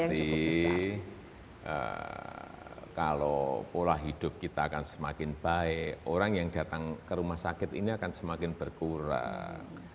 nanti kalau pola hidup kita akan semakin baik orang yang datang ke rumah sakit ini akan semakin berkurang